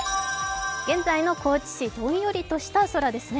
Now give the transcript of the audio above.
現在の高知市、どんよりとした雲ですね。